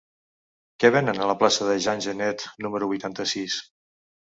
Què venen a la plaça de Jean Genet número vuitanta-sis?